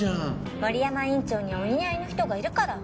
森山院長にはお似合いの人がいるから。